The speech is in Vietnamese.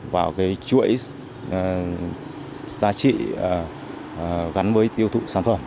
vào cái chuỗi giá trị gắn với tiêu thụ sản phẩm